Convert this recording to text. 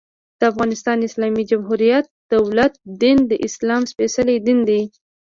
د افغانستان د اسلامي جمهوري دولت دين، د اسلام سپيڅلی دين دى.